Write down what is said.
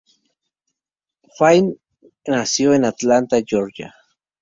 Fine nació en Atlanta, Georgia.